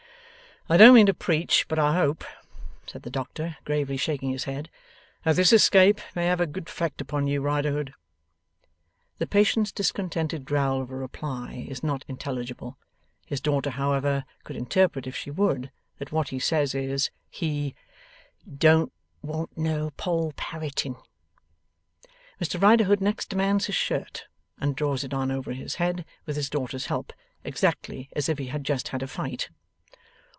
'I don't mean to preach; but I hope,' says the doctor, gravely shaking his head, 'that this escape may have a good effect upon you, Riderhood.' The patient's discontented growl of a reply is not intelligible; his daughter, however, could interpret, if she would, that what he says is, he 'don't want no Poll Parroting'. Mr Riderhood next demands his shirt; and draws it on over his head (with his daughter's help) exactly as if he had just had a Fight.